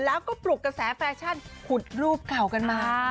แล้วก็ปลุกกระแสแฟชั่นขุดรูปเก่ากันมา